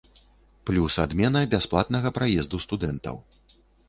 Плюс адмена бясплатнага праезду студэнтаў.